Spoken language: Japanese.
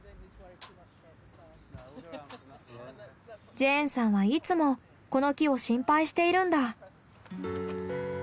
ジェーンさんはいつもこの木を心配しているんだ。